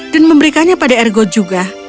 dan memberikannya pada ergo juga